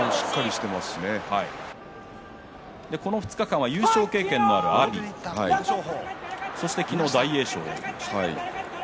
この２日間は優勝経験がある阿炎、そして昨日の大栄翔。